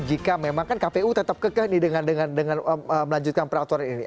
jika memang kan kpu tetap kekeh nih dengan melanjutkan peraturan ini